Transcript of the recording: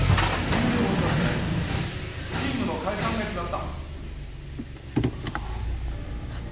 急で申し訳ないがチームの解散が決まったはっ？